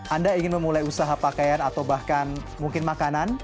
anda ingin memulai usaha pakaian atau bahkan mungkin makanan